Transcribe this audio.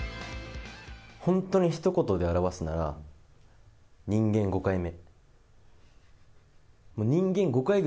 本当にひと言で表すなら、人間５回目。